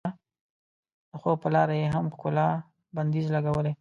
د خوب په لار یې هم ښکلا بندیز لګولی.